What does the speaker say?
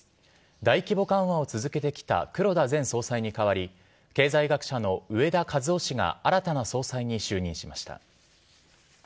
大規模緩和を続けてきた黒田前総裁に代わり、経済学者の植田和男氏が新たな総裁に就任しました。